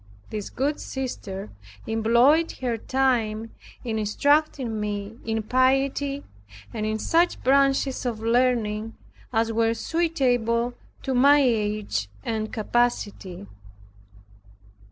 This good sister employed her time in instructing me in piety and in such branches of learning as were suitable to my age and capacity.